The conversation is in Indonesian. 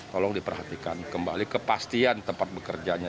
tolong diperhatikan kembali kepastian tempat bekerjanya